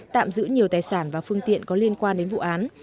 tạm giữ nhiều tài sản và phương tiện có liên quan đến vụ án